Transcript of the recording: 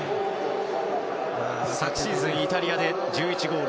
昨シーズン、イタリアで１１ゴール